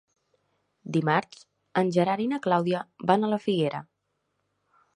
Dimarts en Gerard i na Clàudia van a la Figuera.